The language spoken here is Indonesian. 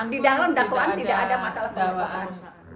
di dalam dakwaan tidak ada masalah pendakwaan